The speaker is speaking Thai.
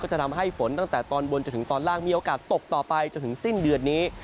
จะทำให้ฝนตั้งแต่ตอนบนจนถึงตอนล่างมีโอกาสตกต่อไปจนถึงสิ้นเดือนนี้